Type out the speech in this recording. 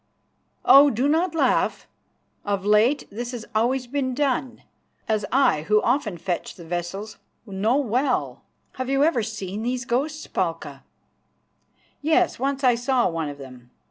Oh! do not laugh. Of late this has always been done, as I who often fetch the vessels know well." "Have you ever seen these ghosts, Palka?" "Yes, once I saw one of them.